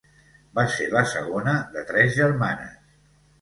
Va ser la segona de tres germanes.